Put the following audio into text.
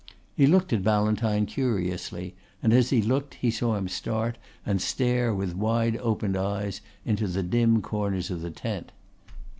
He looked at Ballantyne curiously and as he looked he saw him start and stare with wide opened eyes into the dim corners of the tent.